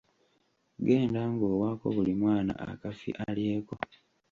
Genda ng'owaako buli mwana akafi alyeko.